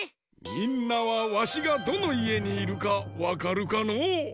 みんなはわしがどのいえにいるかわかるかのう？